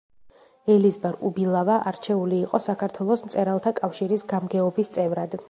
ელიზბარ უბილავა არჩეული იყო საქართველოს მწერალთა კავშირის გამგეობის წევრად.